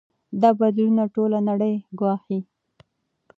دا بدلونونه ټوله نړۍ ګواښي.